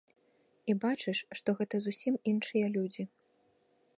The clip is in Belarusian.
І бачыш, што гэта зусім іншыя людзі.